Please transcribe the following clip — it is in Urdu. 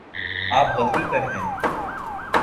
آپ غلطی پر ہیں